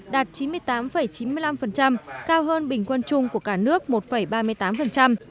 đạt chín mươi tám chín mươi năm cao hơn bình quân chung của cả nước một ba mươi tám